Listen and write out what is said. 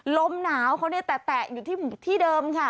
ลมหนาวเขาเนี่ยแตะอยู่ที่เดิมค่ะ